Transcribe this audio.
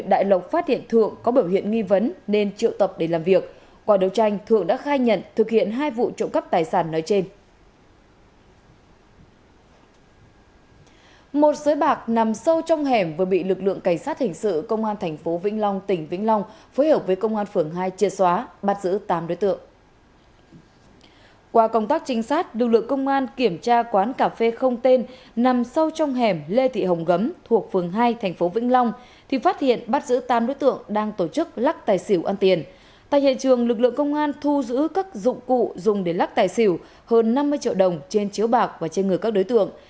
tại hiện trường lực lượng công an thu giữ các dụng cụ dùng để lắc tài xỉu hơn năm mươi triệu đồng trên chiếu bạc và trên người các đối tượng